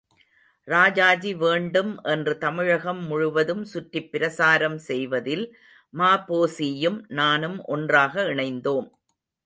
ராஜாஜி வேண்டும் என்று தமிழகம் முழுவதும் சுற்றிப் பிரசாரம் செய்வதில் ம.பொ.சியும் நானும் ஒன்றாக இணைந்தோம்.